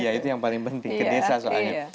ya itu yang paling penting ke desa soalnya